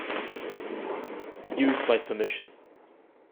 Used by permission.